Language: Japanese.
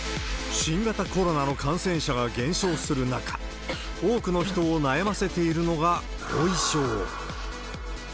新型コロナの感染者が減少する中、多くの人を悩ませているのが後遺症。